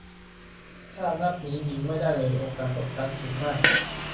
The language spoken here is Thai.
ถ้านัดนี้ยิงไม่ได้เลย โอกาสตกชั้นสูงมาก